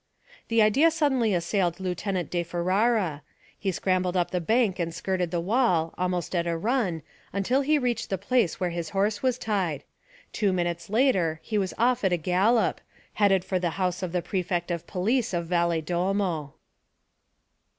An idea suddenly assailed Lieutenant di Ferara. He scrambled up the bank and skirted the wall, almost on a run, until he reached the place where his horse was tied. Two minutes later he was off at a gallop, headed for the house of the prefect of police of Valedolmo.